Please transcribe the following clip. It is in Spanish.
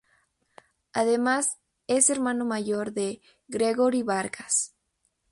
Además es hermano mayor, de Gregory Vargas.